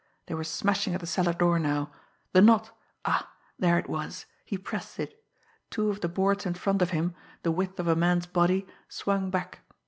They were smashing at the cellar door now. The knot! Ah there it was! He pressed it. Two of the boards in front of him, the width of a man's body, swung back.